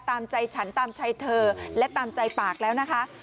ตามใจฉันตามใจเธอและตามใจปากแล้วนะคะ